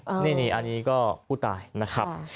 อันนี้ก็ผู้ตายนะครับ